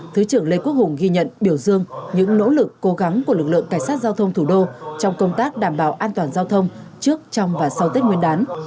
thứ trưởng lê quốc hùng ghi nhận biểu dương những nỗ lực cố gắng của lực lượng cảnh sát giao thông thủ đô trong công tác đảm bảo an toàn giao thông trước trong và sau tết nguyên đán